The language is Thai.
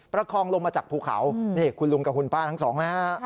ประคองลงมาจากภูเขานี่คุณลุงกับคุณป้าทั้งสองนะฮะ